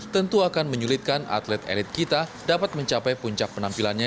tentu akan menyulitkan atlet elit kita dapat mencapai puncak penampilannya